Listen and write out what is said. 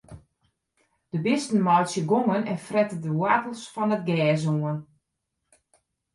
De bisten meitsje gongen en frette de woartels fan it gers oan.